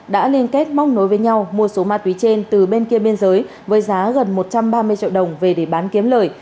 đã liên kết móc nối với nhau mua số ma túy trên từ bên kia biên giới với giá gần một trăm ba mươi triệu đồng về để bán kiếm lời